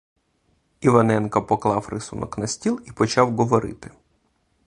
Іваненко поклав рисунок на стіл і почав говорити.